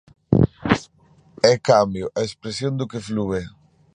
É cambio, a expresión do que flúe.